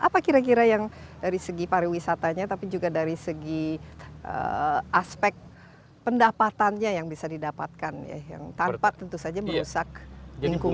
apa kira kira yang dari segi pariwisatanya tapi juga dari segi aspek pendapatannya yang bisa didapatkan ya yang tanpa tentu saja merusak lingkungan